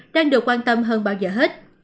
đang được quan tâm hơn bao giờ hết